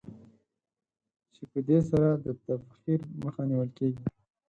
چې په دې سره د تبخیر مخه نېول کېږي.